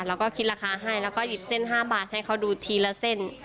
เราก็คิดราคาให้แล้วก็หยิบเส้น๕บาทให้เขาดูทีละเส้น